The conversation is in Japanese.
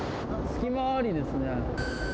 隙間ありですね。